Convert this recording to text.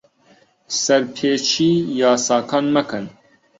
سەرپێچیی یاساکان مەکەن.